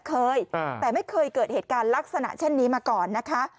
เคยแต่ไม่เคยเกิดเหตุการณ์ลักษณะเช่นนี้มาก่อนนะคะ